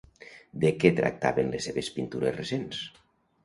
De què tracten les seves pintures recents?